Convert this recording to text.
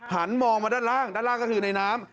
หันมองมาด้านล่างด้านล่างก็คือในน้ำ